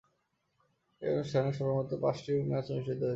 এই অনুষ্ঠানে সর্বমোট পাঁচটি ম্যাচ অনুষ্ঠিত হয়েছিল।